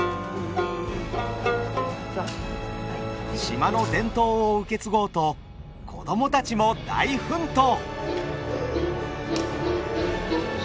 島の伝統を受け継ごうと子供たちも大奮闘！